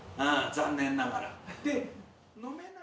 残念ながら。